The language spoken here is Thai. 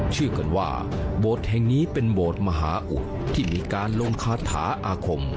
เชื่อกันว่าโบสถ์แห่งนี้เป็นโบสถ์มหาอุที่มีการลงคาถาอาคม